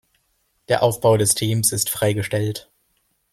Der Aufbau des Teams ist freigestellt.